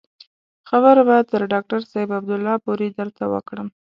خبره به تر ډاکتر صاحب عبدالله پورې درته وکړم.